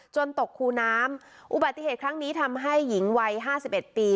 ตกคูน้ำอุบัติเหตุครั้งนี้ทำให้หญิงวัยห้าสิบเอ็ดปี